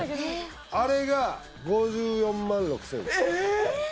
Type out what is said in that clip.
あれが５４万６０００円ですええ！